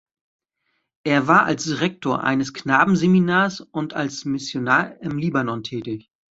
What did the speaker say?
Er war als Rektor eines Knabenseminars und als Missionar im Libanon tätig.